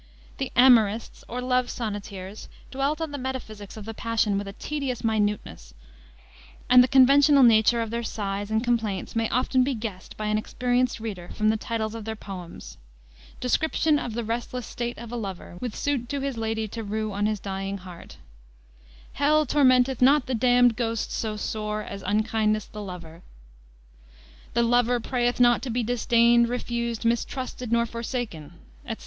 The Amourists, or love sonneters, dwelt on the metaphysics of the passion with a tedious minuteness, and the conventional nature of their sighs and complaints may often be guessed by an experienced reader from the titles of their poems: "Description of the restless state of a lover, with suit to his lady to rue on his dying heart;" "Hell tormenteth not the damned ghosts so sore as unkindness the lover;" "The lover prayeth not to be disdained, refused, mistrusted, nor forsaken," etc.